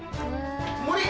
森！